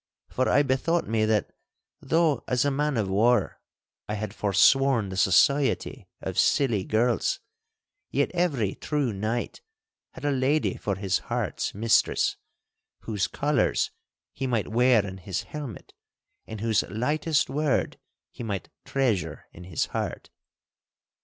For I bethought me that though, as a man of war, I had forsworn the society of silly girls, yet every true knight had a lady for his heart's mistress, whose colours he might wear in his helmet, and whose lightest word he might treasure in his heart.